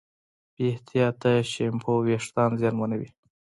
بې احتیاطه شیمپو وېښتيان زیانمنوي.